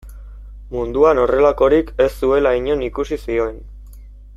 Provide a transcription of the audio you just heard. Munduan horrelakorik ez zuela inon ikusi zioen.